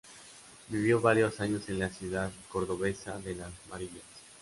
Vivió varios años en la ciudad cordobesa de Las Varillas.